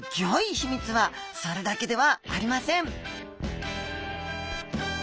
秘密はそれだけではありません